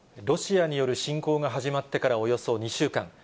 ロシアによる侵攻が始まってからおよそ２週間。